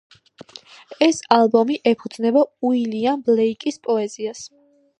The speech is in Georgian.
ეს ალბომი ეფუძნება უილიამ ბლეიკის პოეზიას.